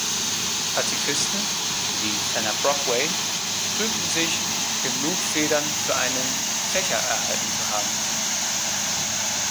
Pazifisten, wie Fenner Brockway, rühmten sich, genug Federn für einen Fächer erhalten zu haben.